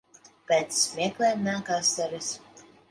Pēc smiekliem nāk asaras.